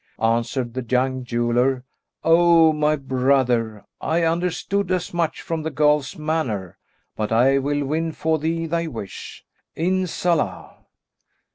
Answered the young jeweller, "O my brother, I understood as much from the girl's manner; but I will win for thee thy wish, Inshallah!"